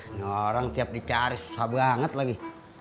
ini orang tiap dicari susah banget lagi